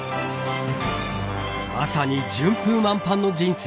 まさに順風満帆の人生。